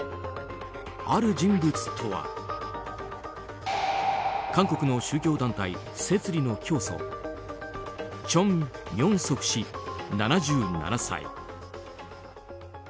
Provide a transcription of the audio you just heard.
ある人物とは韓国の宗教団体摂理の教祖チョン・ミョンソク氏、７７歳。